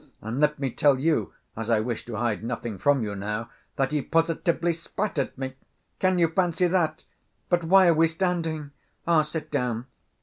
And let me tell you, as I wish to hide nothing from you now, that he positively spat at me. Can you fancy that! But why are we standing? Ah, sit down."